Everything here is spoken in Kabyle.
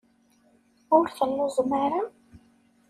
Ur telluẓem ara?